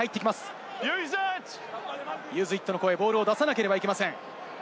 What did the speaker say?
ユーズイットの声、ボールを出さなくてはいけません。